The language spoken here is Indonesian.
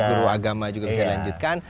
guru agama juga bisa dilanjutkan